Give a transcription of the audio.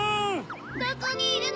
どこにいるの？